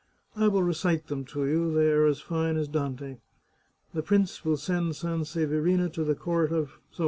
I will recite them to you ; they are as fine as Dante. The prince will send Sanseverina to the court of .